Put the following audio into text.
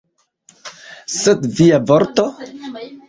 Sed via vorto?